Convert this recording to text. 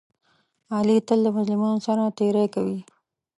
علي تل د مظلومانو سره تېری کوي.